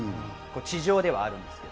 地上ではあるんですけど。